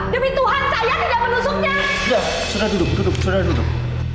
demi tuhan saya tidak menusuknya sudah sudah duduk duduk